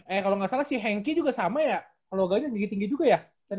eh kalau gak salah si henki juga sama ya loganya tinggi tinggi juga ya sen ya